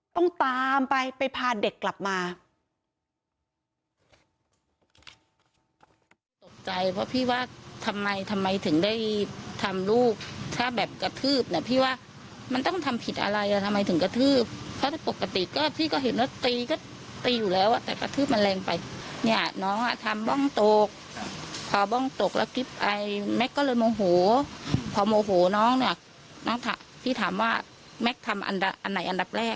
ต้องตามไปไปพาเด็กกลับมา